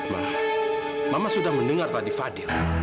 nah mama sudah mendengar tadi fadil